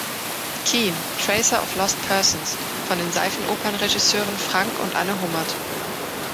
Keen, Tracer of Lost Persons, von den Seifenopernregisseuren Frank und Anne Hummert.